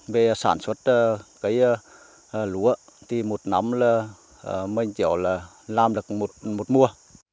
về sản xuất lúa thì một năm là làm được một mùa